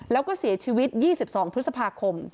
แล้วก็เสียชีวิต๒๒พฤษภาคม